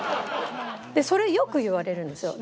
それよく言われるんですよ。